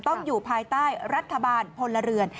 อยู่ภายใต้รัฐบาลพลเรือน